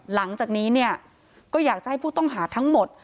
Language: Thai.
หลังจากนี้เนี่ยก็อยากจะให้ผู้ต้องหาทั้งหมด